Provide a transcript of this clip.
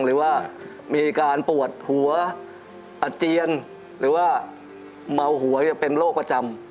หรือว่ามีอาการปวดหัวอาเจียนหรือว่าเมาหัวเป็นโรคประจำ